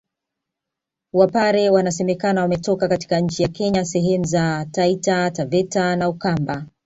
Wapare wanasemekana wametoka katika nchi ya Kenya sehemu za Taita Taveta na Ukamba